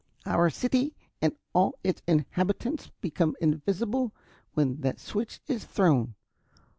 "Our city and all its inhabitants become invisible when that switch is thrown.